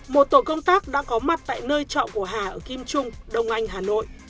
một tổ công tác đã có mặt tại nơi trọ của hà ở kim trung đông anh hà nội